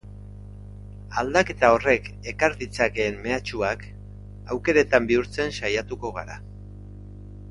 Aldaketa horrek ekar ditzakeen mehatxuak aukeretan bihurtzen saiatuko gara.